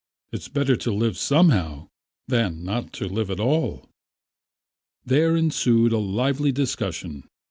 It's better to live somehow than not to live at all." There ensued a lively discussion.